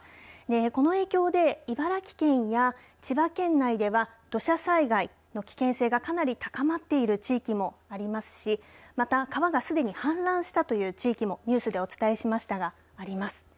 この影響で茨城県や千葉県内では土砂災害の危険性がかなり高まっている地域もありますしまた川がすでに氾濫したという地域もニュースでお伝えしましたがあります。